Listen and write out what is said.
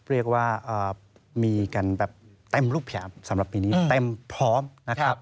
เรียกว่ามีกันแบบเต็มรูปแบบสำหรับปีนี้เต็มพร้อมนะครับ